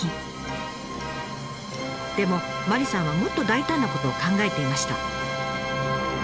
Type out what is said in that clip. でも麻里さんはもっと大胆なことを考えていました。